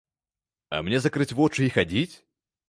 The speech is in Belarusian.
А мне закрыць вочы і хадзіць?